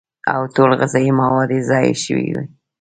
او ټول غذائي مواد ئې ضايع شوي وي